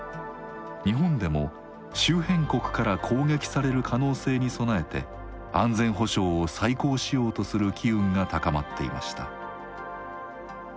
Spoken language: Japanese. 日本でも周辺国から攻撃される可能性に備えて安全保障を再考しようとする機運が高まっていました。